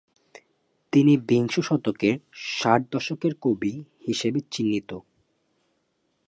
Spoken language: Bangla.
তিনি বিংশ শতকের "ষাট দশকের কবি" হিসাবে চিহ্নিত।